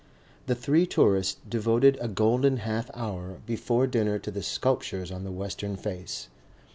The three tourists devoted a golden half hour before dinner to the sculptures on the western face.